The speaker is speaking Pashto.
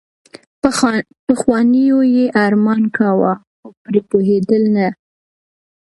پخوانیو يې ارمان کاوه خو پرې پوهېدل نه.